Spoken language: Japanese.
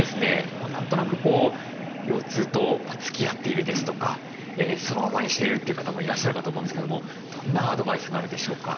何となく腰痛とつきあっているですとかそのままにしているという方もいらっしゃるかと思うんですけどもどんなアドバイスがあるでしょうか？